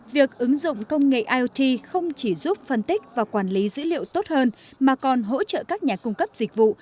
việc ứng dụng công nghệ iot không chỉ giúp phân tích và quản lý dữ liệu tốt hơn mà còn hỗ trợ các nhà cung cấp dịch vụ